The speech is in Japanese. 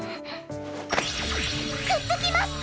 くっつきます！